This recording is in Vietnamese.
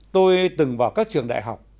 tôi từng vào các trường đại học